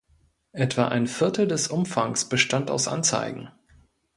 Etwa ein Viertel des Umfangs bestand aus Anzeigen.